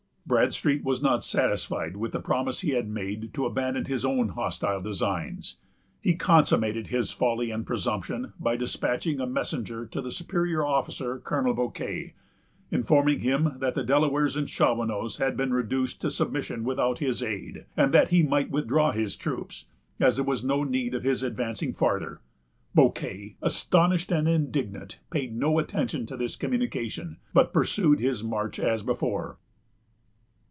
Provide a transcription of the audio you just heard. Bradstreet was not satisfied with the promise he had made to abandon his own hostile designs. He consummated his folly and presumption by despatching a messenger to his superior officer, Colonel Bouquet, informing him that the Delawares and Shawanoes had been reduced to submission without his aid, and that he might withdraw his troops, as there was no need of his advancing farther. Bouquet, astonished and indignant, paid no attention to this communication, but pursued his march as before.